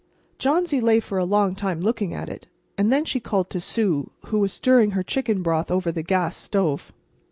Johnsy lay for a long time looking at it. And then she called to Sue, who was stirring her chicken broth over the gas stove.